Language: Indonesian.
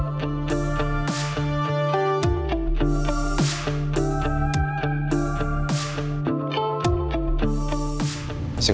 akhir harus memang sedih